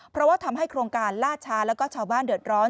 เพราะว่าทำให้โครงการล่าช้าแล้วก็ชาวบ้านเดือดร้อน